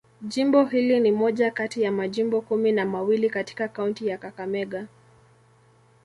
Jimbo hili ni moja kati ya majimbo kumi na mawili katika kaunti ya Kakamega.